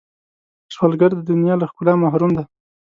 سوالګر د دنیا له ښکلا محروم دی